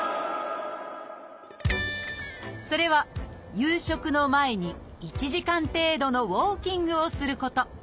それは夕食の前に１時間程度のウォーキングをすること。